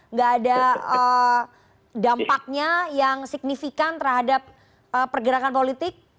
nggak ada dampaknya yang signifikan terhadap pergerakan politik